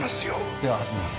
では始めます。